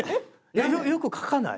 よく書かない？